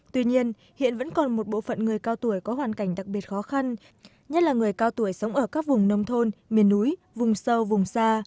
tuy nhiên hiện vẫn còn một bộ phận người cao tuổi có hoàn cảnh đặc biệt khó khăn nhất là người cao tuổi sống ở các vùng nông thôn miền núi vùng sâu vùng xa